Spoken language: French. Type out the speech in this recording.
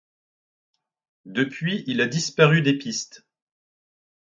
Depuis, il a disparu des pistes.